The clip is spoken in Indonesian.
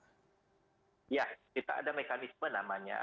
ya kita ada mekanisme namanya